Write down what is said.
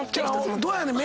どうやねん？